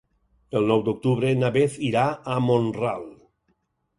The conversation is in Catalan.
El nou d'octubre na Beth irà a Mont-ral.